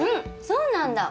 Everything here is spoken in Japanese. そうなんだ。